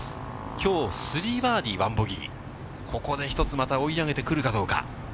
きょう、３バーディー１ボギー、ここで一つまた追い上げてくるかどうか。